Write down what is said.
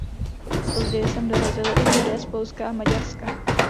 Později sem dorazili i Židé z Polska a Maďarska.